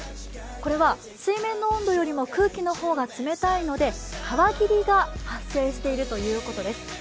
これは水面の温度よりも空気の方が冷たいので川霧が発生しているということです。